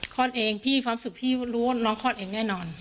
คลอดเองความสุขพี่รู้น้องคลอดเองแน่นอน